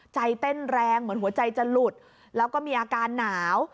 ใจเต้นแรงเหมือนหัวใจจะหลุดแล้วก็มีอาการหนาว